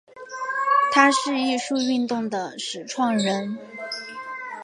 他是艺术运动的始创人。